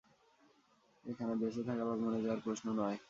এখানে বেচে থাকা বা মরে যাওয়ার প্রশ্ন নয়।